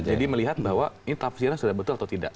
jadi melihat bahwa ini tafsirnya sudah betul atau tidak